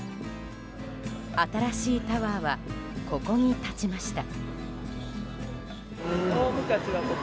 新しいタワーはここに立ちました。